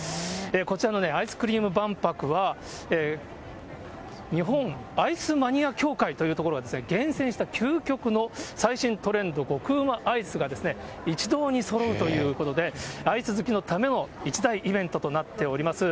こちらのアイスクリーム万博は、日本アイスマニア協会というところが厳選した究極の最新トレンド、極うまアイスが一堂にそろうということで、アイス好きのための一大イベントとなっております。